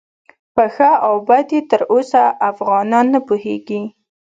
په ښه او بد یې تر اوسه افغانان نه پوهیږي.